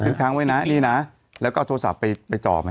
ขึ้นค้างไว้นะนี่นะแล้วก็โทรศัพท์ไปจอมัน